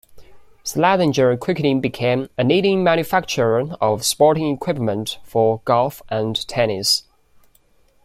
Slazenger quickly became a leading manufacturer of sporting equipment for golf and tennis.